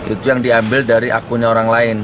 itu yang diambil dari akunnya orang lain